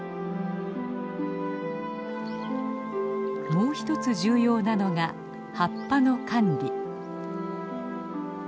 もう一つ重要なのが葉っぱの管理。